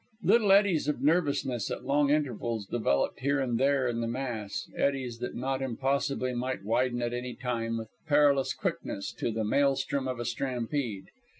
Little eddies of nervousness at long intervals developed here and there in the mass eddies that not impossibly might widen at any time with perilous quickness to the maelstrom of a stampede.